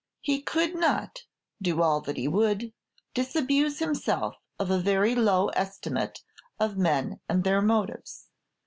He could not, do all that he would, disabuse himself of a very low estimate of men and their motives.